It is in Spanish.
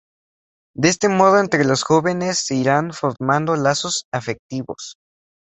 De este modo entre los jóvenes se irán formando lazos afectivos.